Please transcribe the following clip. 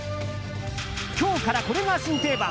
今日から、これが新定番。